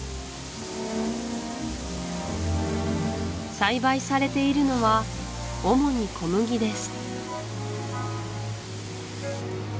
栽培されているのは主に小麦です